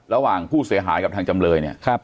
ระหว่างผู้เสียหายกับทางจำเลยเนี่ย